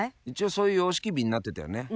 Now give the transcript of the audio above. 一応そういう様式美になってたよね。